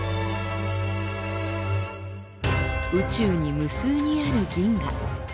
宇宙に無数にある銀河。